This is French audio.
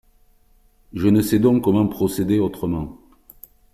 Je ne sais donc comment procéder autrement.